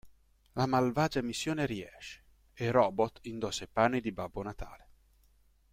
La malvagia missione riesce, e Robot indossa i panni di Babbo Natale.